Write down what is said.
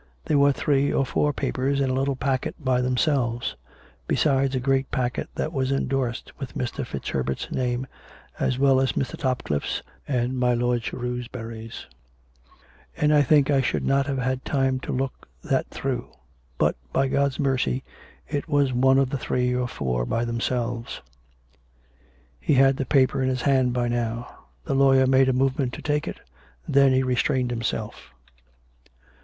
There were three or four papers in a little packet by them selves ; besides a great packet that was endorsed with Mr. FitzHerbert's name, as well as Mr. Topcliflfe's and my lord Shrewsbury's; and I think I should not have had time to look that through. But, by God's mercy, it was one of the three or four by themselves." He had the paper in his hand by now. The lawyer made a movement to take it. Then he restrained himself.